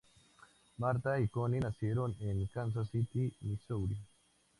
Martha y Connie nacieron en Kansas City, Missouri.